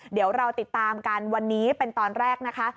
เดี๋ยวเราติดตามกันวันนี้เป็นตอนแรกนะคะ